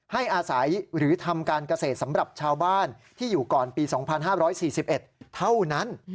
ให้อาศัยหรือทำการเกษตรสำหรับชาวบ้านที่อยู่ก่อนปี๒๕๔๑เท่านั้น